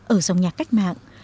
ở dòng nhạc cách mạng